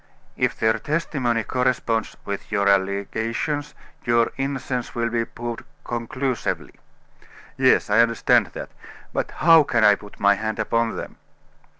"If their testimony corresponds with your allegations, your innocence will be proved conclusively." "Yes, I understand that; but how can I put my hand upon them?"